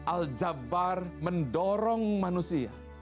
al jabbar mendorong manusia